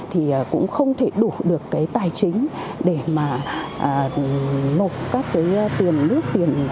thì cũng không thể đủ được cái tài chính để mà mộc các cái tiền nước